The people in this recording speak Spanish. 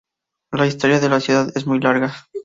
La historia de la ciudad es muy larga.